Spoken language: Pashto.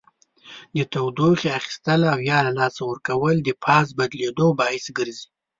د تودوخې اخیستل او یا له لاسه ورکول د فاز بدلیدو باعث ګرځي.